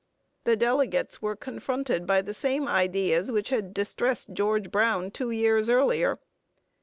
The delegates were confronted by the same ideas which had distressed George Brown two years earlier.